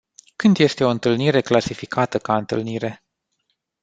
Când este o întâlnire clasificată ca întâlnire?